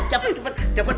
dapet dapet dapet